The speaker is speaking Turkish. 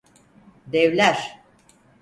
Devler!